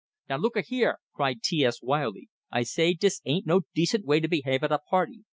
"Now looka here!" cried T S, wildly. "I say dis ain't no decent way to behave at a party.